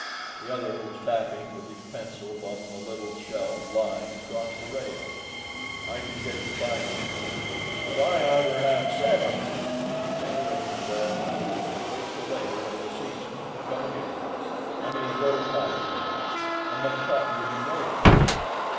The other was tapping with his pencil upon the little shelf lying across the rail. "I can get you five hundred." "But I oughter have seven." "Can't arrange for that amount. Wait till later in the season, and come again. Money is very tight now. How much cotton will you raise?"